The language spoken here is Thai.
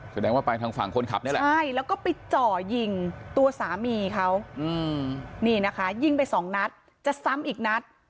แสดงว่าไปทางฝั่งคนขับนี่แหละใช่แล้วก็ไปเจาะยิงตัวสามีเขานี่นะคะยิงไปสองนัดจะซ้ำอีกนัด